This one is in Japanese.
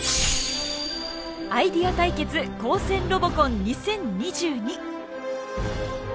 アイデア対決高専ロボコン２０２２。